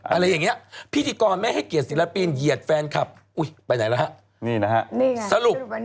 อะไรอย่างนี้พิธีกรไม่ให้เกียรติศิลปินเหยียดแฟนคลับอุ้ยไปไหนแล้วฮะนี่นะฮะสรุป